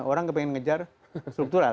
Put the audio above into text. orang kepengen ngejar struktural